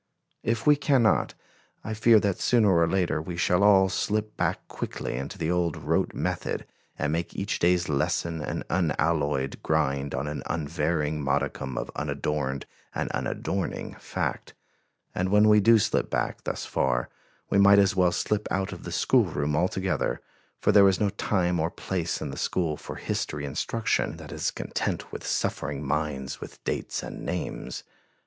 If we cannot, I fear that sooner or later we shall all slip back quickly into the old rote method and make each day's lesson an unalloyed grind on an unvarying modicum of unadorned and unadorning fact; and when we do slip back thus far, we might as well slip out of the school room altogether, for there is no time or place in the school for history instruction that is content with stuffing minds with dates and names.